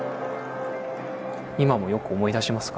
今もよく思い出しますか？